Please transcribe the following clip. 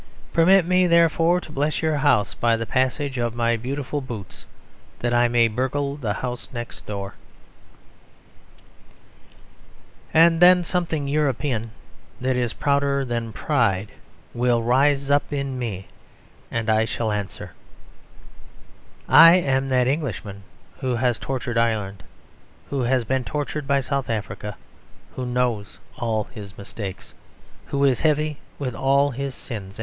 Permit me, therefore, to bless your house by the passage of my beautiful boots; that I may burgle the house next door." And then something European that is prouder than pride will rise up in me; and I shall answer: "I am that Englishman who has tortured Ireland, who has been tortured by South Africa; who knows all his mistakes, who is heavy with all his sins.